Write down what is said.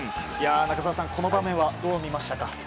中澤さん、この場面はどう見ましたか？